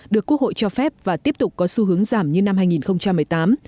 được quốc hội cho phép và tiếp tục có xu hướng giảm như năm hai nghìn một mươi tám